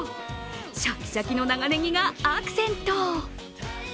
シャキシャキの長ねぎがアクセント。